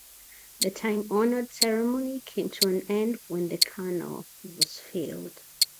The time-honored ceremony came to an end when the canal was filled.